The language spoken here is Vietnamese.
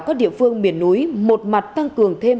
các địa phương miền núi một mặt tăng cường thêm